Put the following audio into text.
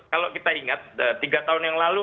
kalau kita ingat tiga tahun yang lalu